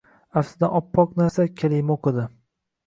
Aftidan, oppoq narsa... kalima o‘qidi.